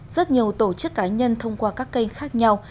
rất nhiều tổ chức cá nhân thông qua các kênh khác nhau